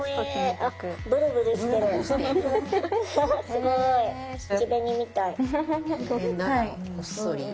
すごい。